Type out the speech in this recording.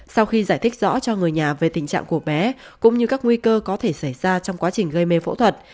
sau khi giải thích rõ cho người nhà về tình trạng của bé cũng như các nguy cơ có thể xảy ra trong quá trình gây mê phẫu thuật